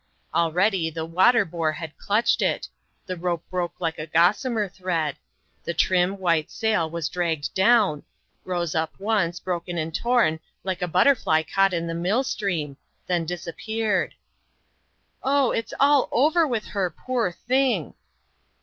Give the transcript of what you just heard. Already the "water boar" had clutched it the rope broke like a gossamer thread the trim, white sail was dragged down rose up once, broken and torn, like a butterfly caught in a mill stream then disappeared. "So it's all over with her, poor thing!"